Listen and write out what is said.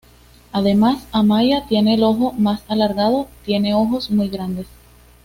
Además, Amaia tiene el ojo más alargado, tiene ojos muy grandes.